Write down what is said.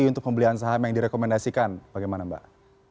untuk pembelian saham yang direkomendasikan bagaimana mbak